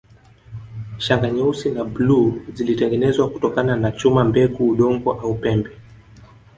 Shanga nyeusi na bluu zilitengenezwa kutokana na chuma mbegu udongo au pembe